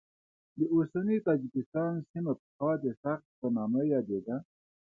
د اوسني تاجکستان سیمه پخوا د سغد په نامه یادېده.